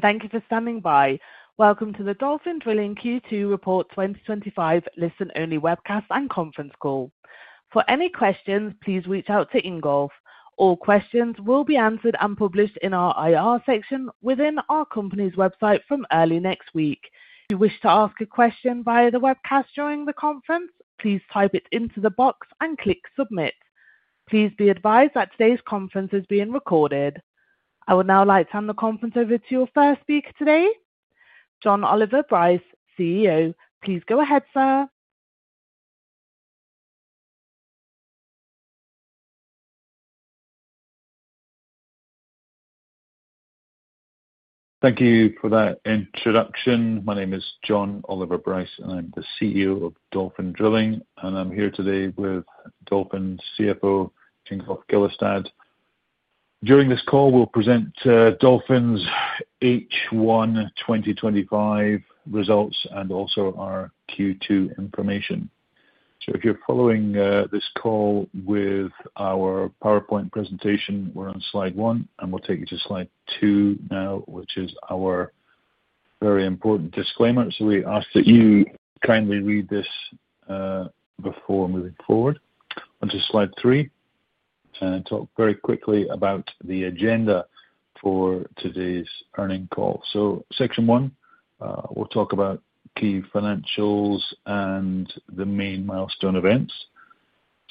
Thank you for standing by. Welcome to the Dolphin Drilling Q2 Report 2025 Listen-Only Webcast and Conference Call. For any questions, please reach out to Ingolf. All questions will be answered and published in our IR section within our company's website from early next week. If you wish to ask a question via the webcast during the conference, please type it into the box and click submit. Please be advised that today's conference is being recorded. I will now like to hand the conference over to your first speaker today, Jon Oliver Bryce, CEO. Please go ahead, sir. Thank you for that introduction. My name is Jon Oliver Bryce, and I'm the CEO of Dolphin Drilling. I'm here today with Dolphin's CFO, Ingolf Gillesdal. During this call, we'll present Dolphin's H1 2025 results and also our Q2 information. If you're following this call with our PowerPoint presentation, we're on slide one, and we'll take you to slide two now, which is our very important disclaimer. We ask that you kindly read this before moving forward. On to slide three, and talk very quickly about the agenda for today's earnings call. Section one, we'll talk about key financials and the main milestone events.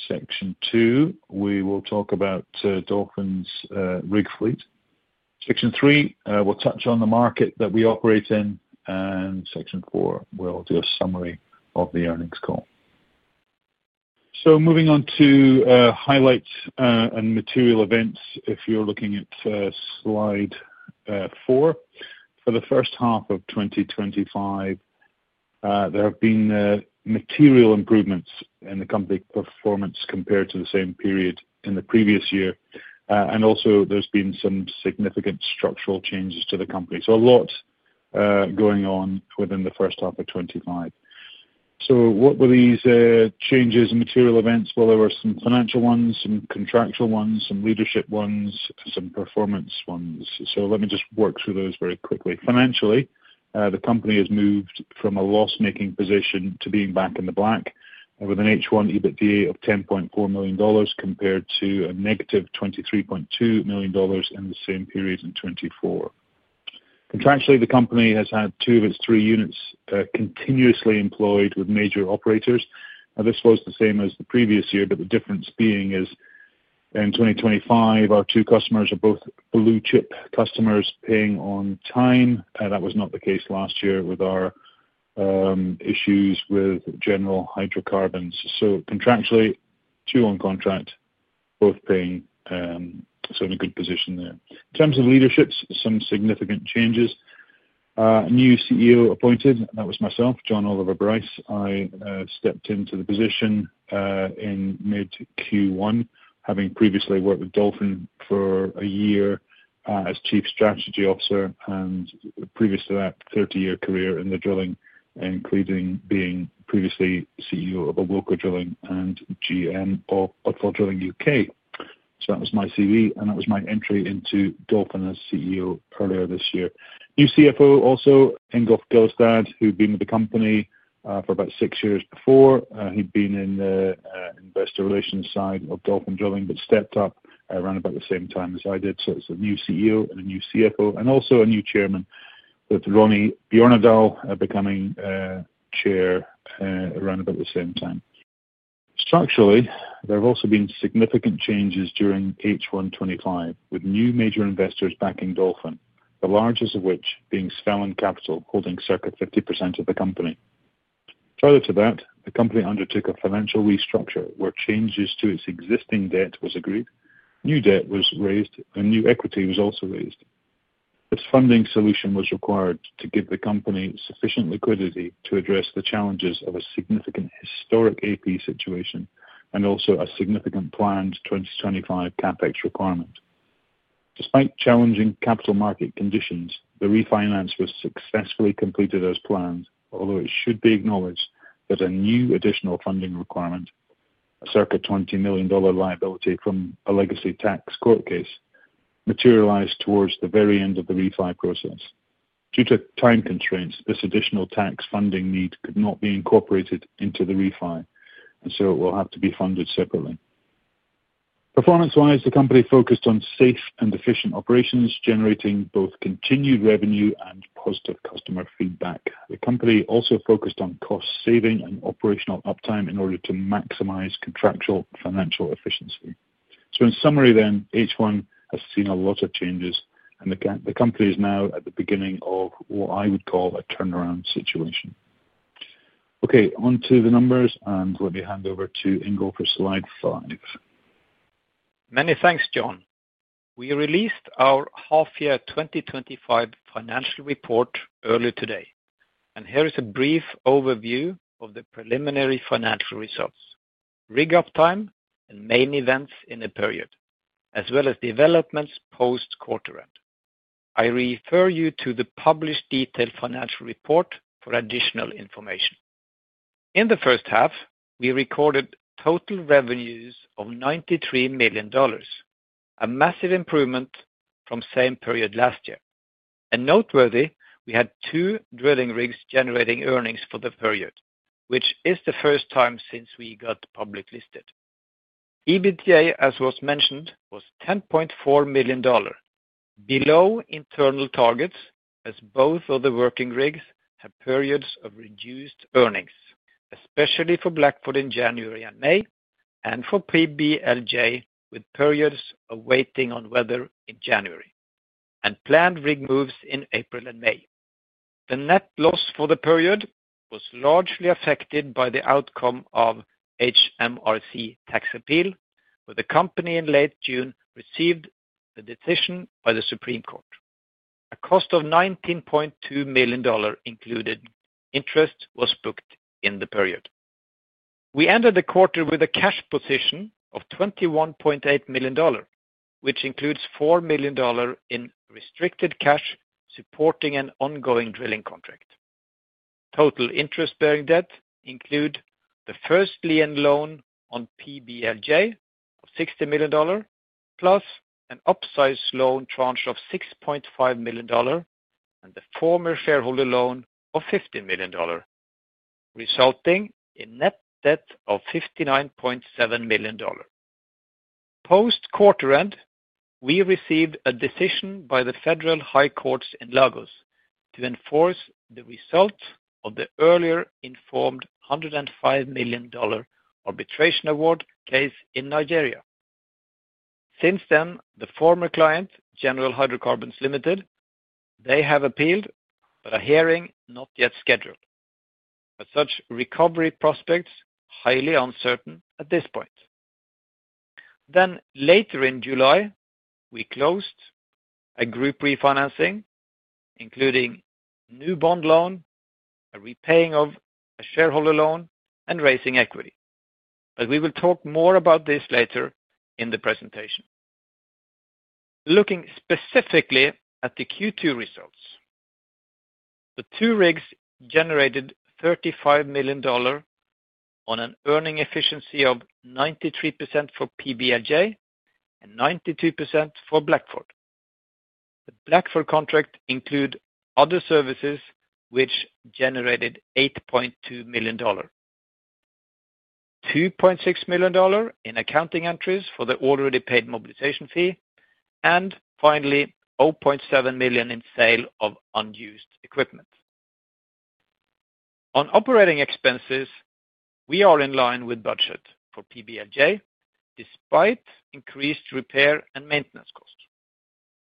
Section two, we will talk about Dolphin's rig fleet. Section three, we'll touch on the market that we operate in. Section four, we'll do a summary of the earnings call. Moving on to highlights and material events, if you're looking at slide four, for the first half of 2025, there have been material improvements in the company's performance compared to the same period in the previous year. There have also been some significant structural changes to the company. A lot going on within the first half of 2025. What were these changes and material events? There were some financial ones, some contractual ones, some leadership ones, some performance ones. Let me just work through those very quickly. Financially, the company has moved from a loss-making position to being back in the black with an H1 EBITDA of $10.4 million compared to a -$23.2 million in the same period in 2024. Contractually, the company has had two of its three units continuously employed with major operators. This was the same as the previous year, but the difference being is in 2025, our two customers are both blue-chip customers paying on time. That was not the case last year with our issues with General Hydrocarbons. Contractually, two on contract, both paying, so in a good position there. In terms of leadership, some significant changes. A new CEO appointed, that was myself, Jon Oliver Bryce. I stepped into the position in mid-Q1, having previously worked with Dolphin Drilling for a year as Chief Strategy Officer and previous to that, a 30-year career in drilling, including being previously CEO of Awilco Drilling and GM of Odfjell UK. That was my CV, and that was my entry into Dolphin Drilling as CEO earlier this year. New CFO also, Ingolf Gillesdal, who'd been with the company for about six years before. He'd been in the investor relations side of Dolphin Drilling, but stepped up around about the same time as I did. It is a new CEO and a new CFO, and also a new Chairman with Ronny Bjørnådal becoming Chair around about the same time. Structurally, there have also been significant changes during H1 2025 with new major investors backing Dolphin Drilling, the largest of which being Svelland Capital, holding circa 50% of the company. Prior to that, the company undertook a financial restructure where changes to its existing debt were agreed, new debt was raised, and new equity was also raised. This funding solution was required to give the company sufficient liquidity to address the challenges of a significant historic AP situation and also a significant planned 2025 CapEx requirement. Despite challenging capital market conditions, the refinance was successfully completed as planned, although it should be acknowledged that a new additional funding requirement, a circa $20 million liability from a legacy tax court case, materialized towards the very end of the refinance process. Due to time constraints, this additional tax funding need could not be incorporated into the refinance, and it will have to be funded separately. Performance-wise, the company focused on safe and efficient operations, generating both continued revenue and positive customer feedback. The company also focused on cost-saving and operational uptime in order to maximize contractual financial efficiency. In summary, H1 has seen a lot of changes, and the company is now at the beginning of what I would call a turnaround situation. On to the numbers, and let me hand over to Ingolf for slide five. Many thanks, Jon. We released our half-year 2025 financial report earlier today, and here is a brief overview of the preliminary financial results, rig uptime, and main events in the period, as well as developments post-quarter end. I refer you to the published detailed financial report for additional information. In the first half, we recorded total revenues of $93 million, a massive improvement from the same period last year. Noteworthy, we had two drilling rigs generating earnings for the period, which is the first time since we got public listed. EBITDA, as was mentioned, was $10.4 million, below internal targets as both of the working rigs have periods of reduced earnings, especially for Blackford in January and May, and for PBLJ with periods of waiting on weather in January, and planned rig moves in April and May. The net loss for the period was largely affected by the outcome of HMRC tax appeal, where the company in late June received a decision by the Supreme Court. A cost of $19.2 million including interest was booked in the period. We ended the quarter with a cash position of $21.8 million, which includes $4 million in restricted cash supporting an ongoing drilling contract. Total interest-bearing debt includes the first lien loan on PBLJ of $60 million, plus an upsized loan tranche of $6.5 million, and the former shareholder loan of $15 million, resulting in a net debt of $59.7 million. Post-quarter end, we received a decision by the Federal High Courts in Lagos to enforce the result of the earlier informed $105 million arbitration award case in Nigeria. Since then, the former client, General Hydrocarbons Limited, they have appealed, with a hearing not yet scheduled. Such recovery prospects are highly uncertain at this point. Later in July, we closed a group refinancing, including a new bond loan, a repaying of a shareholder loan, and raising equity. We will talk more about this later in the presentation. Looking specifically at the Q2 results, the two rigs generated $35 million on an earning efficiency of 93% for PBLJ and 92% for Blackford. The Blackford contract includes other services, which generated $8.2 million, $2.6 million in accounting entries for the already paid mobilization fee, and $0.7 million in sale of unused equipment. On operating expenses, we are in line with budget for PBLJ, despite increased repair and maintenance costs.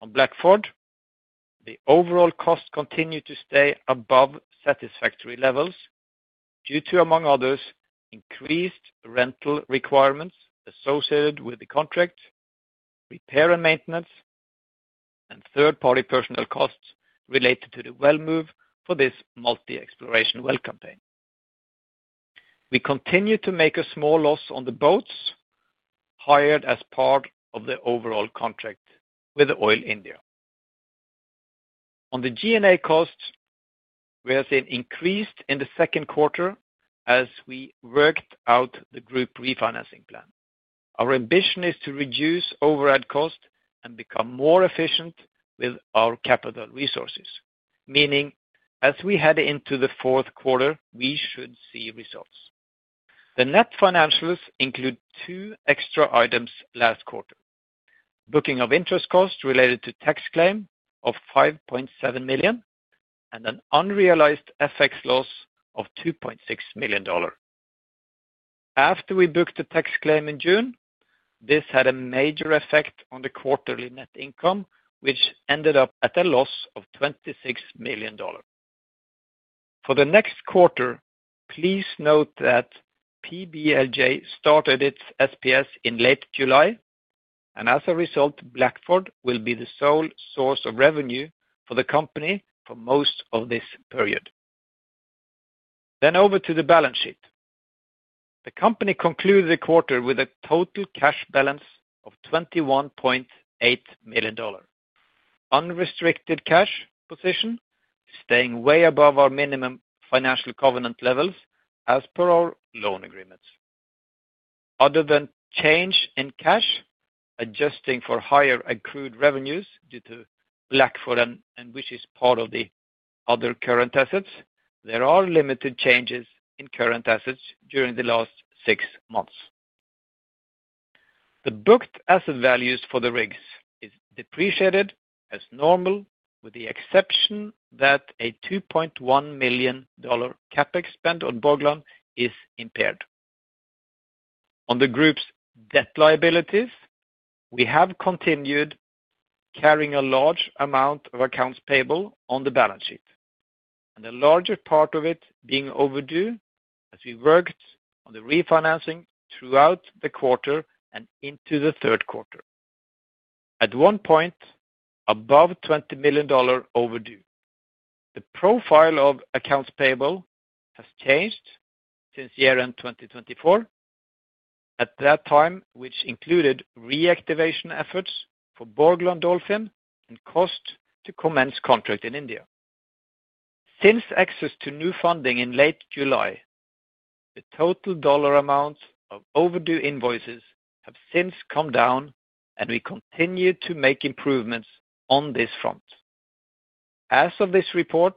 On Blackford, the overall costs continue to stay above satisfactory levels due to, among others, increased rental requirements associated with the contract, repair and maintenance, and third-party personnel costs related to the well move for this multi-exploration well campaign. We continue to make a small loss on the boats hired as part of the overall contract with Oil India. On the G&A costs, we have seen increase in the second quarter as we worked out the group refinancing plan. Our ambition is to reduce overhead costs and become more efficient with our capital resources, meaning as we head into the fourth quarter, we should see results. The net financials include two extra items last quarter: booking of interest costs related to tax claim of $5.7 million and an unrealized FX loss of $2.6 million. After we booked the tax claim in June, this had a major effect on the quarterly net income, which ended up at a loss of $26 million. For the next quarter, please note that PBLJ started its SPS in late July, and as a result, Blackford will be the sole source of revenue for the company for most of this period. Over to the balance sheet. The company concluded the quarter with a total cash balance of $21.8 million. Unrestricted cash position is staying way above our minimum financial covenant levels as per our loan agreements. Other than change in cash, adjusting for higher accrued revenues due to Blackford and which is part of the other current assets, there are limited changes in current assets during the last six months. The booked asset values for the rigs are depreciated as normal, with the exception that a $2.1 million CapEx spend on Borgland is impaired. On the group's debt liabilities, we have continued carrying a large amount of accounts payable on the balance sheet, and a larger part of it being overdue as we worked on the refinancing throughout the quarter and into the third quarter. At one point, above $20 million overdue. The profile of accounts payable has changed since year-end 2024, at that time which included reactivation efforts for Borgland Dolphin and cost to commence contract in India. Since access to new funding in late July, the total dollar amount of overdue invoices has since come down, and we continue to make improvements on this front. As of this report,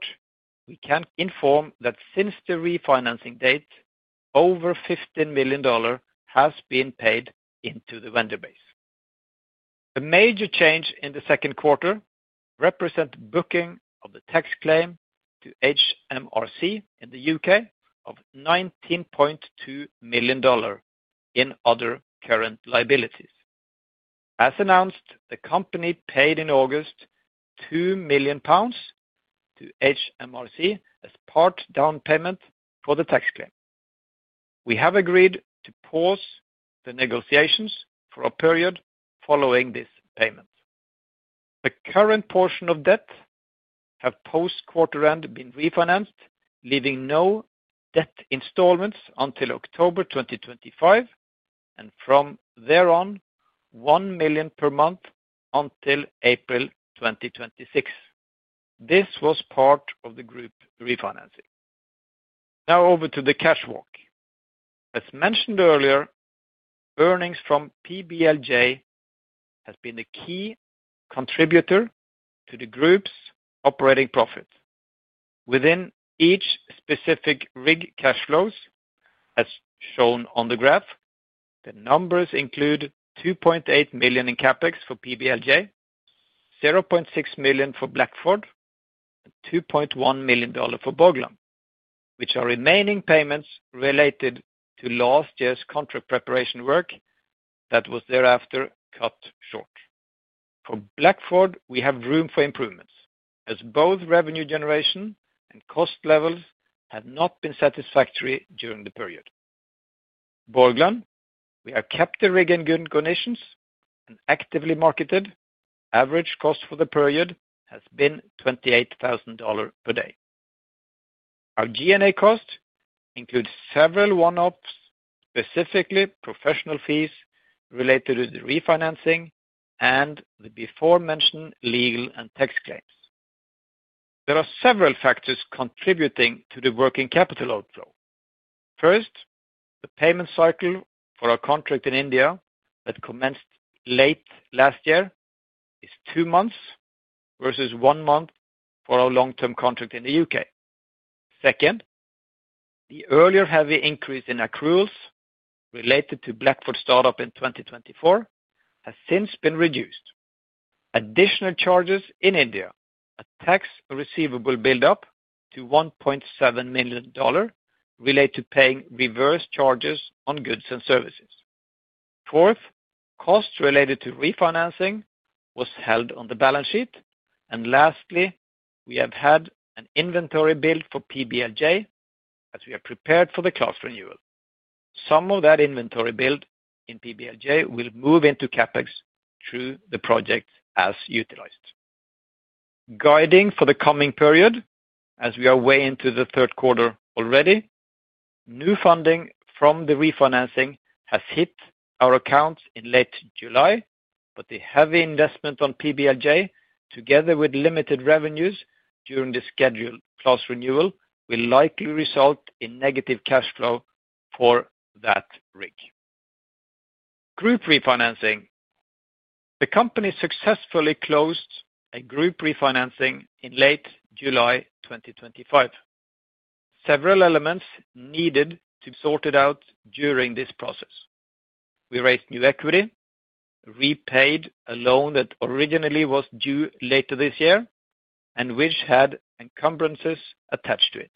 we can inform that since the refinancing date, over $15 million has been paid into the vendor base. The major change in the second quarter represents booking of the tax claim to HMRC in the UK of $19.2 million in other current liabilities. As announced, the company paid in August £2 million to HMRC as part down payment for the tax claim. We have agreed to pause the negotiations for a period following this payment. The current portion of debt has post-quarter end been refinanced, leaving no debt installments until October 2025, and from there on, $1 million per month until April 2026. This was part of the group refinancing. Now over to the cash walk. As mentioned earlier, earnings from PBLJ have been a key contributor to the group's operating profit. Within each specific rig cash flows, as shown on the graph, the numbers include $2.8 million in CapEx for PBLJ, $0.6 million for Blackford, and $2.1 million for Borgland, which are remaining payments related to last year's contract preparation work that was thereafter cut short. For Blackford, we have room for improvements as both revenue generation and cost levels have not been satisfactory during the period. Borgland, we have kept the rig in good conditions and actively marketed. Average cost for the period has been $28,000 per day. Our G&A cost includes several one-offs, specifically professional fees related to the refinancing and the before-mentioned legal and tax claims. There are several factors contributing to the working capital outflow. First, the payment cycle for our contract in India that commenced late last year is two months versus one month for our long-term contract in the UK. Second, the earlier heavy increase in accruals related to Blackford startup in 2024 has since been reduced. Additional charges in India are tax receivable buildup to $1.7 million related to paying reverse charges on goods and services. Fourth, costs related to refinancing were held on the balance sheet, and lastly, we have had an inventory build for PBLJ as we have prepared for the class renewal. Some of that inventory build in PBLJ will move into CapEx through the project as utilized. Guiding for the coming period, as we are way into the third quarter already, new funding from the refinancing has hit our accounts in late July, but the heavy investment on PBLJ, together with limited revenues during the scheduled class renewal, will likely result in negative cash flow for that rig. Group refinancing. The company successfully closed a group refinancing in late July 2025. Several elements needed to be sorted out during this process. We raised new equity, repaid a loan that originally was due later this year and which had encumbrances attached to it,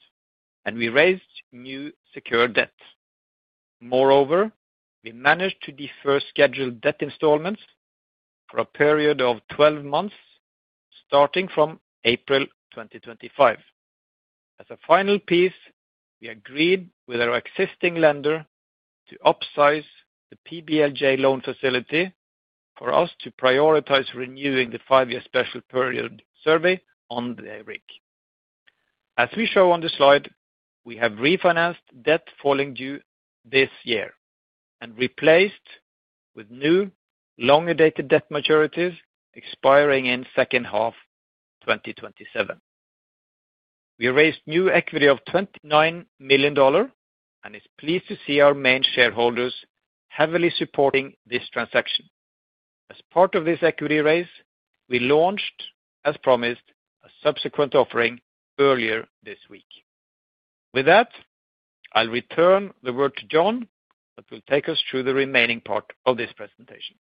and we raised new secured debt. Moreover, we managed to defer scheduled debt installments for a period of 12 months, starting from April 2025. As a final piece, we agreed with our existing lender to upsize the PBLJ loan facility for us to prioritize renewing the five-year special period survey on the rig. As we show on the slide, we have refinanced debt falling due this year and replaced it with new longer-dated debt maturities expiring in the second half of 2027. We raised new equity of $29 million and are pleased to see our main shareholders heavily supporting this transaction. As part of this equity raise, we launched, as promised, a subsequent offering earlier this week. With that, I'll return the word to Jon, who will take us through the remaining part of this presentation.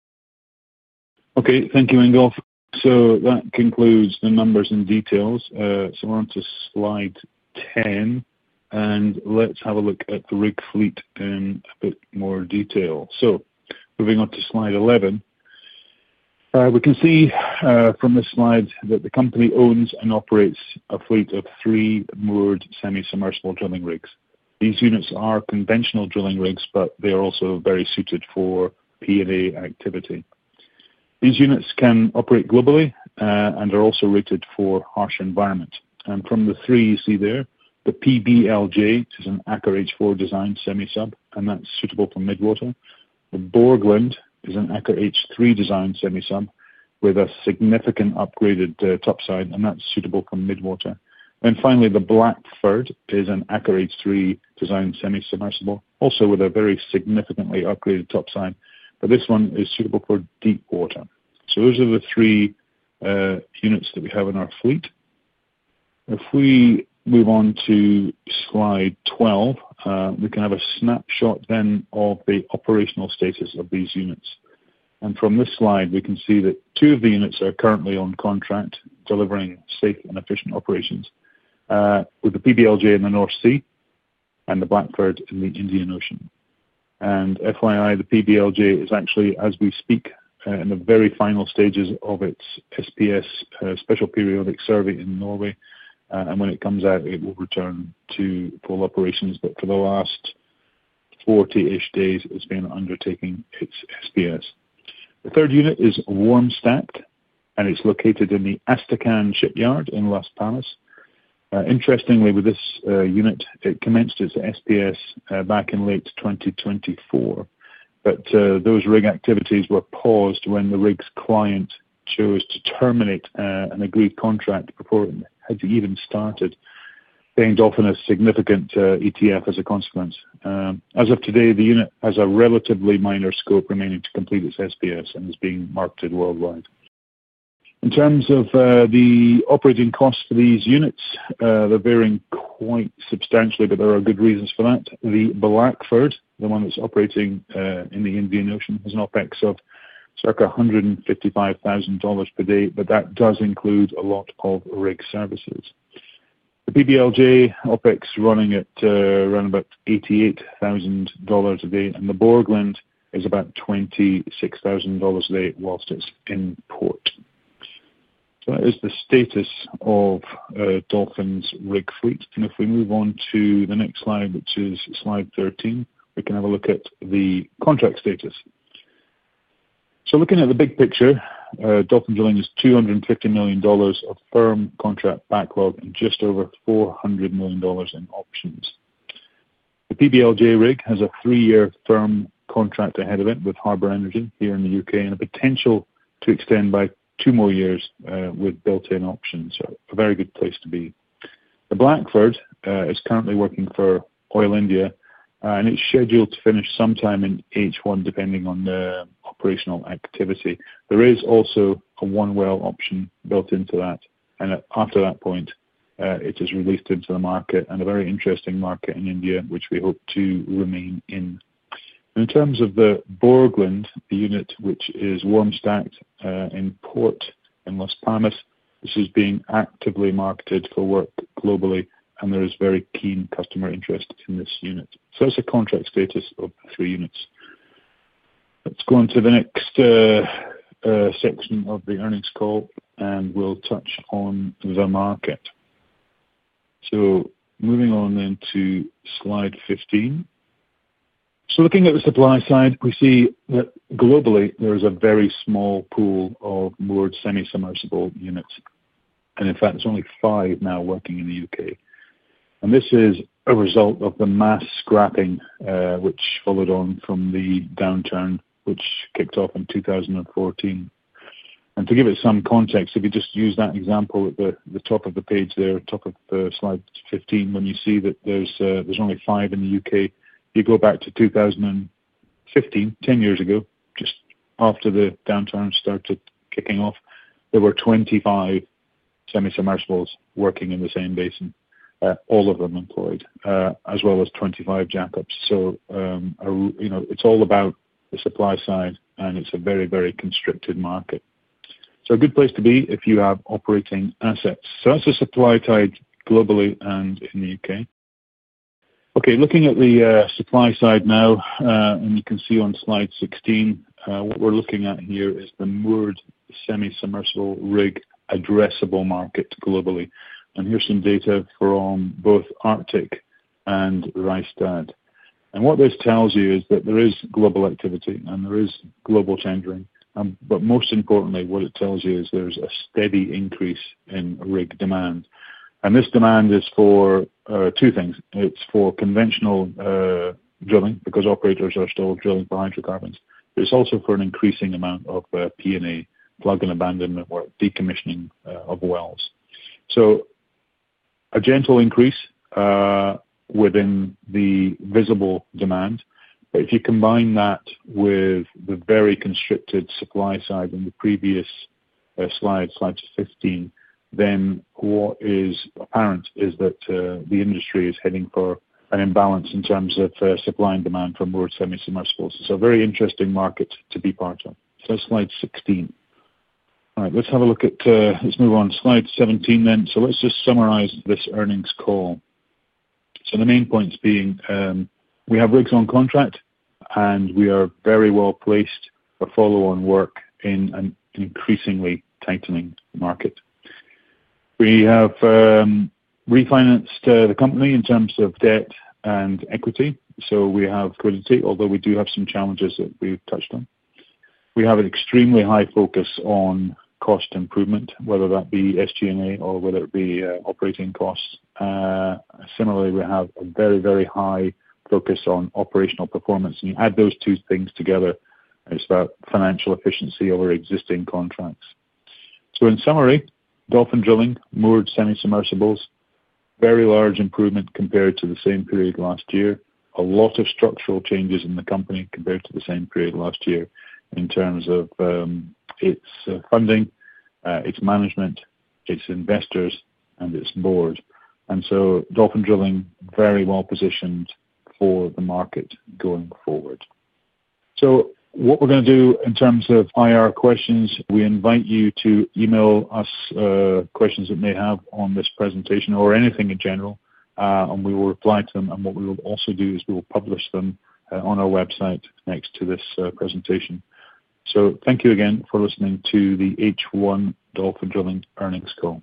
Okay, thank you, Ingolf. That concludes the numbers and details. We're on to slide 10, and let's have a look at the rig fleet in a bit more detail. Moving on to slide 11, we can see from this slide that the company owns and operates a fleet of three moored semi-submersible drilling rigs. These units are conventional drilling rigs, but they are also very suited for P&A activity. These units can operate globally and are also rated for harsh environments. From the three you see there, the PBLJ is an Aker H-4 designed semi-sub, and that's suitable for midwater. The Dolphin is an Aker H-3 designed semi-sub with a significant upgraded top side, and that's suitable for midwater. Finally, the Blackford is an Aker H-3 designed semi-submersible, also with a very significantly upgraded top side, but this one is suitable for deepwater. Those are the three units that we have in our fleet. If we move on to slide 12, we can have a snapshot then of the operational status of these units. From this slide, we can see that two of the units are currently on contract, delivering safe and efficient operations, with the PBLJ in the North Sea and the Blackford in the Indian Ocean. For your information, the PBLJ is actually, as we speak, in the very final stages of its SPS special periodic survey in Norway. When it comes out, it will return to full operations. For the last 40-ish days, it's been undertaking its SPS. The third unit is warm stacked, and it's located in the Astican shipyard in Las Palmas. Interestingly, with this unit, it commenced its SPS back in late 2024, but those rig activities were paused when the rig's client chose to terminate an agreed contract before it had even started, paying Dolphin a significant ETF as a consequence. As of today, the unit has a relatively minor scope remaining to complete its SPS and is being marketed worldwide. In terms of the operating costs for these units, they're varying quite substantially, but there are good reasons for that. The Blackford, the one that's operating in the Indian Ocean, has an OpEx of circa $155,000 per day, but that does include a lot of rig services. The PBLJ OpEx is running at around about $88,000 a day, and the Borgland is about $26,000 a day whilst it's in port. That is the status of Dolphin's rig fleet. If we move on to the next slide, which is slide 13, we can have a look at the contract status. Looking at the big picture, Dolphin Drilling has $250 million of firm contract backlog and just over $400 million in options. The PBLJ rig has a three-year firm contract ahead of it with Harbour Energy here in the UK and a potential to extend by two more years with built-in options. A very good place to be. The Blackford is currently working for Oil India, and it's scheduled to finish sometime in H1, depending on the operational activity. There is also a one-well option built into that, and after that point, it is released into the market and a very interesting market in India, which we hope to remain in. In terms of the Borgland, the unit which is warm stacked in port in Las Palmas, this is being actively marketed for work globally, and there is very keen customer interest in this unit. That's the contract status of three units. Let's go on to the next section of the earnings call, and we'll touch on the market. Moving on to slide 15. Looking at the supply side, we see that globally there is a very small pool of moored semi-submersible units, and in fact, there's only five now working in the UK. This is a result of the mass scrapping which followed on from the downturn which kicked off in 2014. To give it some context, if you just use that example at the top of the page there, top of slide 15, when you see that there's only five in the UK, if you go back to 2015, 10 years ago, just after the downturn started kicking off, there were 25 semi-submersibles working in the same basin, all of them employed, as well as 25 jackups. It's all about the supply side, and it's a very, very constricted market. A good place to be if you have operating assets. That's the supply side globally and in the UK. Looking at the supply side now, and you can see on slide 16, what we're looking at here is the moored semi-submersible rig addressable market globally. Here's some data from both Arctic and Rystad. What this tells you is that there is global activity, and there is global tendering, but most importantly, what it tells you is there's a steady increase in rig demand. This demand is for two things. It's for conventional drilling because operators are still drilling for hydrocarbons. It's also for an increasing amount of P&A, plug and abandonment work, decommissioning of wells. A gentle increase within the visible demand. If you combine that with the very constricted supply side in the previous slide, slide 15, what is apparent is that the industry is heading for an imbalance in terms of supply and demand for moored semi-submersibles. It is a very interesting market to be part of. That is slide 16. All right, let's have a look at, let's move on to slide 17. Let's just summarize this earnings call. The main points being, we have rigs on contract, and we are very well placed for follow-on work in an increasingly tightening market. We have refinanced the company in terms of debt and equity. We have liquidity, although we do have some challenges that we've touched on. We have an extremely high focus on cost improvement, whether that be SG&A or whether it be operating costs. Similarly, we have a very, very high focus on operational performance. You add those two things together, and it's about financial efficiency over existing contracts. In summary, Dolphin Drilling, moored semi-submersibles, very large improvement compared to the same period last year. A lot of structural changes in the company compared to the same period last year in terms of its funding, its management, its investors, and its board. Dolphin Drilling is very well positioned for the market going forward. In terms of questions, we invite you to email us questions that you may have on this presentation or anything in general, and we will reply to them. We will also publish them on our website next to this presentation. Thank you again for listening to the H1 Dolphin Drilling Earnings Call.